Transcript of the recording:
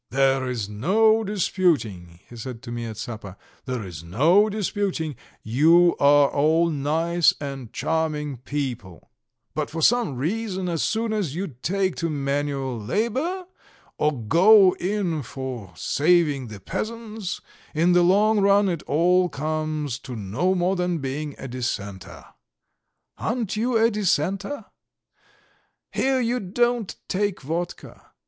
"There is no disputing," he said to me at supper, "there is no disputing; you are all nice and charming people, but for some reason, as soon as you take to manual labour, or go in for saving the peasants, in the long run it all comes to no more than being a dissenter. Aren't you a dissenter? Here you don't take vodka.